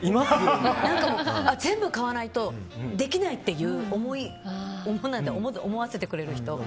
何か全部買わないとできないって思わせてくれる人。